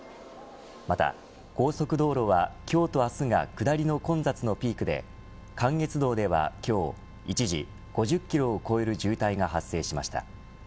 また高速道路は今日と明日が下りの混雑のピークで関越道では今日、一時５０キロを超える渋滞が発生しました。